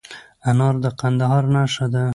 انار د کندهار نښه ده.